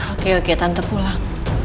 oke oke tante pulang